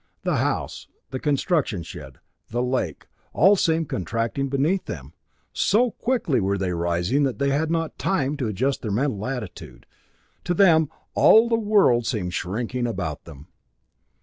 The house, the construction shed, the lake, all seemed contracting beneath them. So quickly were they rising that they had not time to adjust their mental attitude. To them all the world seemed shrinking about them.